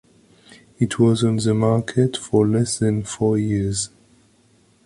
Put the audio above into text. It was on the market for less than four years.